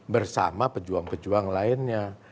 bersama pejuang pejuang lainnya